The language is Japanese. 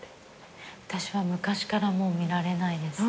私は昔から見られないです。